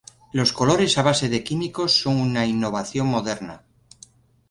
Los colores a base de químicos son una innovación moderna.